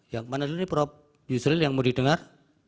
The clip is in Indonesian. yang mana dulu ini prof yusril yang mau didengar